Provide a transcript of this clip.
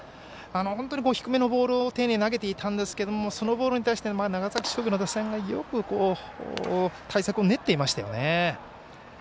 本当に低めのボールを丁寧に投げていたんですがそのボールに対して長崎商業の打線がよく対策を練っていましたよね。